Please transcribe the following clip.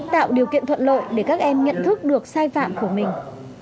tạo điều kiện thuận lợi để các em nhận thức được sai phạm của mình